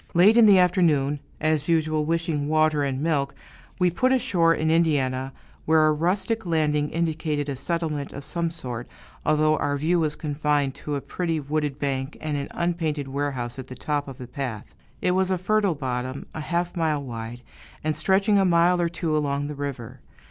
Late in the afternoon, as usual wishing water and milk, we put ashore in Indiana, where a rustic landing indicated a settlement of some sort, although our view was confined to a pretty, wooded bank, and an unpainted warehouse at the top of the path. It was a fertile bottom, a half mile wide, and stretching a mile or two along the river.